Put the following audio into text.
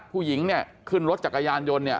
ผู้หญิงขึ้นรถจักรยานยนต์